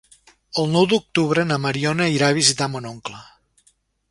El nou d'octubre na Mariona irà a visitar mon oncle.